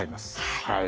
はい。